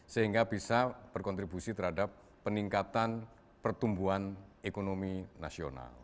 sehingga bisa berkontribusi terhadap peningkatan pertumbuhan ekonomi nasional